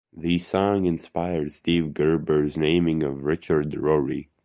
The song inspired Steve Gerber's naming of Richard Rory.